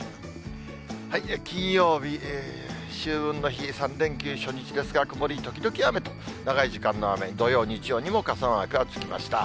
金曜日、秋分の日、３連休初日ですが、曇り時々雨と、長い時間の雨、土曜、日曜にも傘マークがつきました。